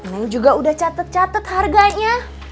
ini juga udah catet catet harganya